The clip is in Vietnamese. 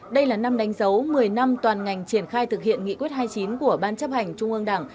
đây là năm đánh dấu một mươi năm toàn ngành triển khai thực hiện nghị quyết hai mươi chín của ban chấp hành trung ương đảng